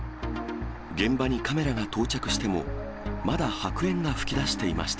現場にカメラが到着しても、まだ白煙が噴き出していました。